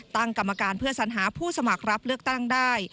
ตั้งกรรมการเพื่อสัญหาผู้สมัครรับเลือกตั้งได้